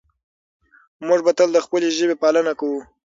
موږ به تل د خپلې ژبې پالنه کوو.